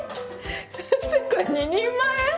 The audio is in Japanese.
先生これ２人前？